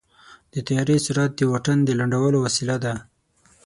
د طیارې سرعت د واټن د لنډولو وسیله ده.